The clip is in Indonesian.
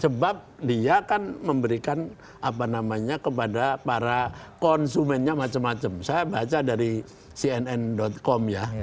sebab dia kan memberikan apa namanya kepada para konsumennya macam macam saya baca dari cnn com ya